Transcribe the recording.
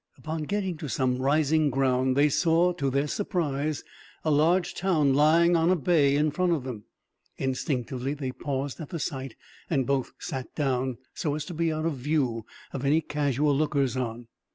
Upon getting to some rising ground, they saw, to their surprise, a large town lying on a bay in front of them. Instinctively they paused at the sight, and both sat down, so as to be out of view of any casual lookers on.